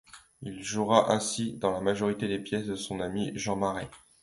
Il jouera ainsi dans la majorité des pièces de son ami Jean Marais.